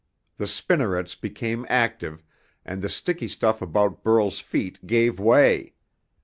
The spinnerets became active, and the sticky stuff about Burl's feet gave way!